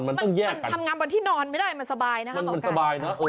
ทำงานบนที่นอนไม่ได้มันสบายนะ